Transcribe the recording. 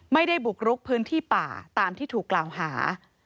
ไม่ได้บุกรุกพื้นที่ป่าตามที่ถูกกล่าวหา